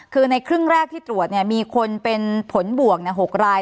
คือในครึ่งแรกที่ตรวจมีคนเป็นผลบวก๖ราย